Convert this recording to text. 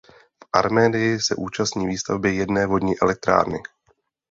V Arménii se účastní výstavby jedné vodní elektrárny.